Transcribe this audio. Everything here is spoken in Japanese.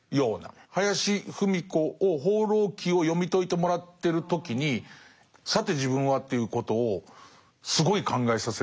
林芙美子を「放浪記」を読み解いてもらってる時に「さて自分は？」ということをすごい考えさせられましたね。